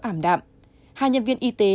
ảm đạm hai nhân viên y tế